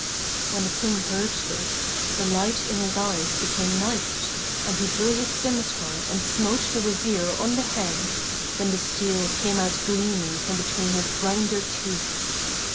When the King heard this, the light in his eyes became night, and he drew his scymitar and smote the Wazir on the head, then the steel came out gleaming from between his grinder teeth.